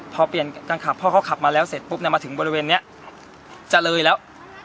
พอเปลี่ยนการขับพอเขาขับมาแล้วเสร็จปุ๊บเนี่ยมาถึงบริเวณนี้จะเลยแล้ว